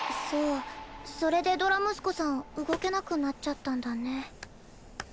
そうそれでドラムスコさん動けなくなっちゃったんだね。